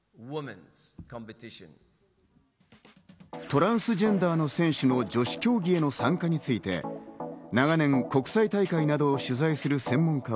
トランスジェンダーの選手の女子競技への参加について、長年国際大会など取材する専門家